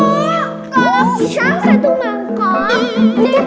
kalau pisang satu mangkok